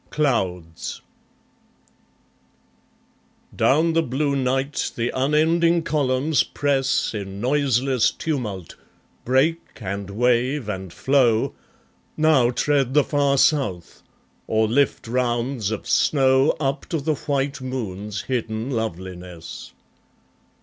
Clouds Down the blue night the unending columns press In noiseless tumult, break and wave and flow, Now tread the far South, or lift rounds of snow Up to the white moon's hidden loveliness.